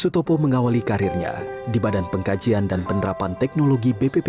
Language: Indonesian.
sutopo mengawali karirnya di badan pengkajian dan penerapan teknologi bppt pada seribu sembilan ratus sembilan puluh empat